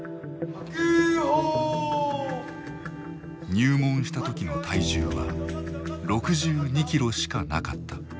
入門した時の体重は６２キロしかなかった。